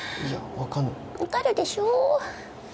分かるでしょ？